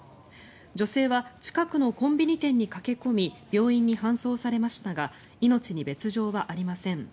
女性は近くのコンビニ店に駆け込み病院に搬送されましたが命に別条はありません。